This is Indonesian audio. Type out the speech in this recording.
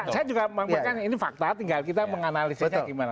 saya juga menganggap ini fakta tinggal kita menganalisinya gimana